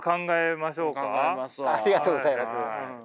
ありがとうございます。